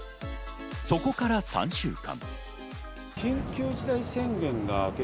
そこから３週間。